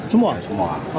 semua sama karutan